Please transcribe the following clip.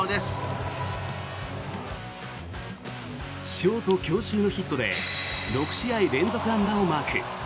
ショート強襲のヒットで６試合連続安打をマーク。